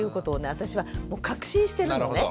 私はもう確信してるのね。